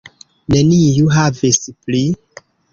Neniu havis pli.